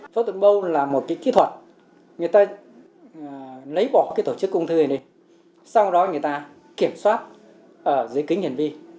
phẫu thuật mose là một kỹ thuật người ta lấy bỏ tổ chức ung thư này sau đó người ta kiểm soát dưới kính hiển vi